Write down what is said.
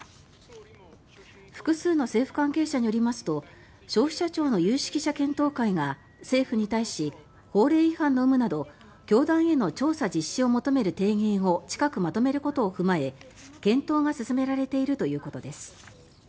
複数の政府関係者によりますと消費者庁の有識者検討会が政府に対し法令違反の有無など教団への調査実施を求める提言を近くまとめることを踏まえ検討が進められているということです。